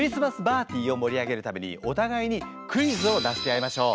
ーティーを盛り上げるためにお互いにクイズを出し合いまＳＨＯＷ。